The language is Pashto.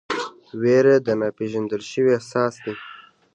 ویره د ناپېژندل شوي احساس ده.